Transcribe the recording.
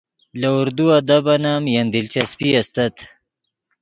لے اردو ادبن ام یئے دلچسپی استت